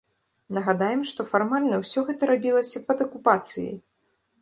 Нагадаем, што фармальна ўсё гэта рабілася пад акупацыяй!